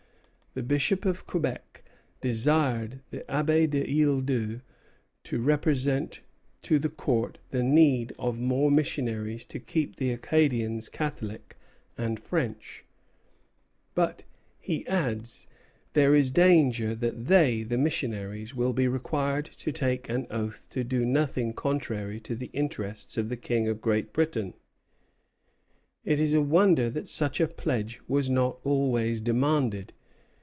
The Bishop of Quebec desired the Abbé de l'Isle Dieu to represent to the Court the need of more missionaries to keep the Acadians Catholic and French; but, he adds, there is danger that they (the missionaries) will be required to take an oath to do nothing contrary to the interests of the King of Great Britain. It is a wonder that such a pledge was not always demanded.